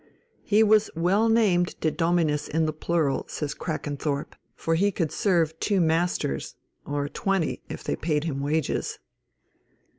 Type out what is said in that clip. "He was well named De Dominis in the plural," says Crakanthorp, "for he could serve two masters, or twenty, if they paid him wages."